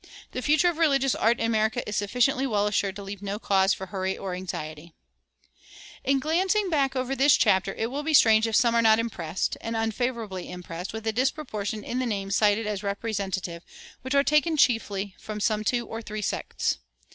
The future of religious art in America is sufficiently well assured to leave no cause for hurry or anxiety. In glancing back over this chapter, it will be strange if some are not impressed, and unfavorably impressed, with a disproportion in the names cited as representative, which are taken chiefly from some two or three sects.